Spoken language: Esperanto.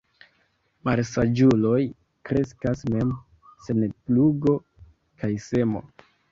Malsaĝuloj kreskas mem, sen plugo kaj semo.